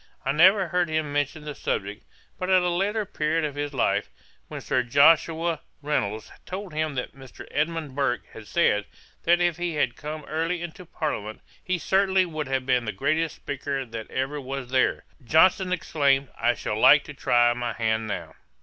I never heard him mention the subject; but at a later period of his life, when Sir Joshua Reynolds told him that Mr. Edmund Burke had said, that if he had come early into parliament, he certainly would have been the greatest speaker that ever was there, Johnson exclaimed, 'I should like to try my hand now.'